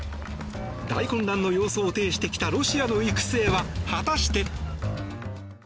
大混乱の様相を呈してきたロシアの行く末は、果たして。